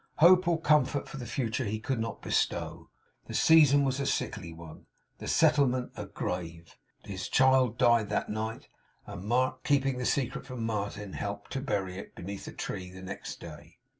Hope or comfort for the future he could not bestow. The season was a sickly one; the settlement a grave. His child died that night; and Mark, keeping the secret from Martin, helped to bury it, beneath a tree, next day.